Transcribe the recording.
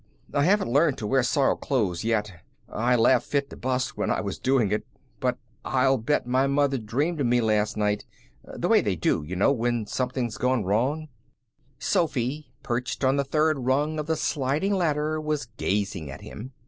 I haven't learned to wear soiled clothes yet. I laughed fit to bust while I was doing it. But I'll bet my mother dreamed of me that night. The way they do, you know, when something's gone wrong." Sophy, perched on the third rung of the sliding ladder, was gazing at him.